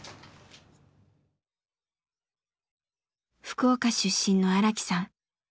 福岡出身の荒木さん。